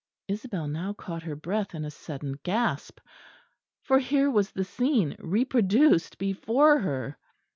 Isabel now caught her breath in a sudden gasp; for here was the scene reproduced before her.